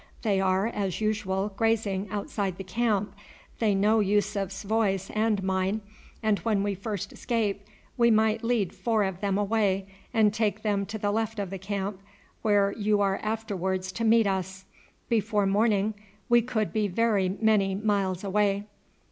They are, as usual, grazing outside the camp, they know Yussuf's voice and mine, and when we first escape we might lead four of them away and take them to the left of the camp, where you are afterwards to meet us. Before morning we could be very many miles away."